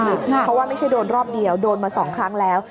เพราะว่าไม่ใช่โดนรอบเดียวโดนมา๒ครั้งแล้ว